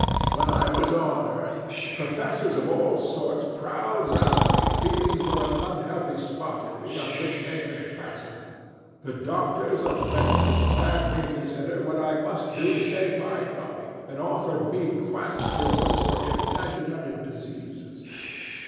When I was on earth, professors of all sorts prowled round me feeling for an unhealthy spot in me on which they could fasten. The doctors of medicine bade me consider what I must do to save my body, and offered me quack cures for imaginary diseases.